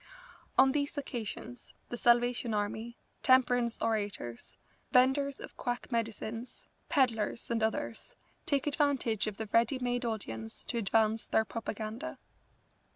On these occasions the Salvation Army, temperance orators, venders of quack medicines, pedlars, and others, take advantage of the ready made audience to advance their propaganda.